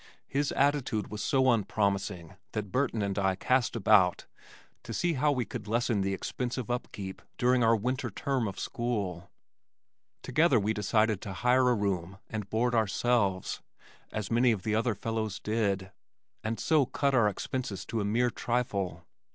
His attitude was so unpromising that Burton and I cast about to see how we could lessen the expense of upkeep during our winter term of school. Together we decided to hire a room and board ourselves (as many of the other fellows did) and so cut our expenses to a mere trifle.